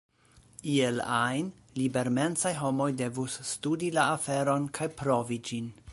Iel ajn, libermensaj homoj devus studi la aferon kaj provi ĝin.